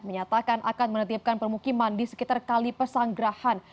menyatakan akan menetipkan permukiman di sekitar kali pesanggerahan